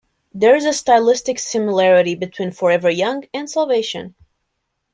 There is a stylistic similarity between Forever Young and Salvation.